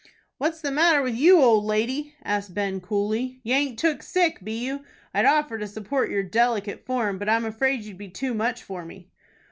"What's the matter with you, old lady?" asked Ben, coolly. "You aint took sick, be you? I'd offer to support your delicate form, but I'm afraid you'd be too much for me."